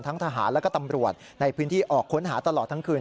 ทหารและก็ตำรวจในพื้นที่ออกค้นหาตลอดทั้งคืน